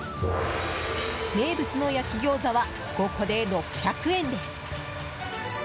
名物の焼餃子は５個で６００円です。